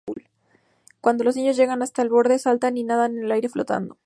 Cuando los niños llegan hasta el borde, saltan y nadan en el aire flotando.